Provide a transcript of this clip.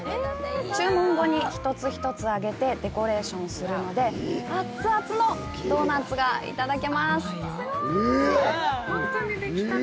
注文後に１つ１つ揚げてデコレーションするので、アツアツのドーナッツがいただけます。